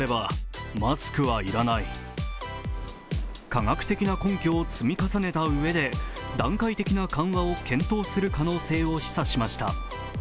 科学的な根拠を積み重ねたうえで段階的な緩和を検討する可能性を示唆しました。